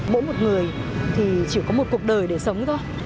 mỗi một người thì chỉ có một cuộc đời để sống thôi